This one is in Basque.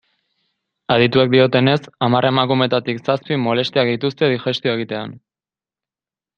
Adituek diotenez, hamar emakumetik zazpik molestiak dituzte digestioa egitean.